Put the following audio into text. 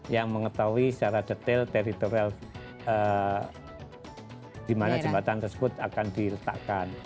yang mengetahui secara detail teritorial di mana jembatan tersebut akan diletakkan